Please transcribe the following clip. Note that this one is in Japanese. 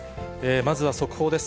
まずは速報です。